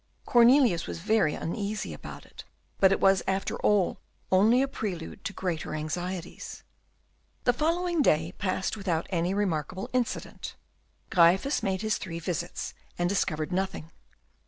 Cornelius was very uneasy about it, but it was after all only a prelude to greater anxieties. The flowing day passed without any remarkable incident. Gryphus made his three visits, and discovered nothing.